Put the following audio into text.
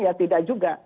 ya tidak juga